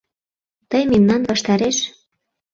Тый мемнан ваштареш!